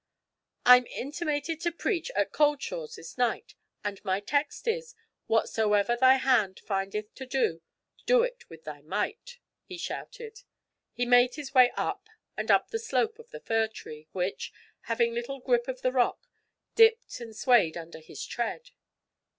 'I'm intimated to preach at Cauldshaws this night, and my text is, "Whatsoever thy hand findeth to do, do it with thy might!"' he shouted. He made his way up and up the slope of the fir tree, which, having little grip of the rock, dipped and swayed under his tread.